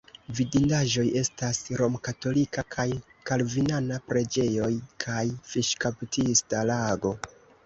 Vidindaĵoj estas romkatolika kaj kalvinana preĝejoj kaj fiŝkaptista lago.